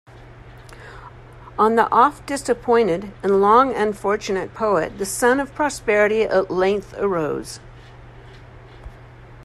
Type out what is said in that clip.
On the oft-disappointed and long unfortunate poet the sun of prosperity at length arose.